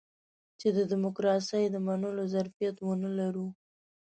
چې د ډيموکراسۍ د منلو ظرفيت ونه لرو.